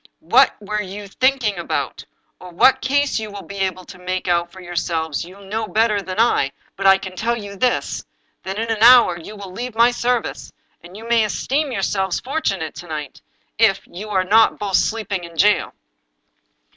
What you were think ing about, or what case you will be able to make out for yourselves, you know better than I; but I can tell you this — that in an hour you will leave my service, and you may esteem yourselves fortunate if, to night, you are not both of you sleeping in jail."